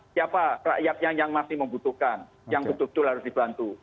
siapa rakyatnya yang masih membutuhkan yang betul betul harus dibantu